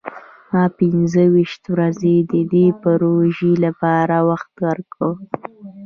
ما پنځه ویشت ورځې د دې پروژې لپاره وخت ورکړ.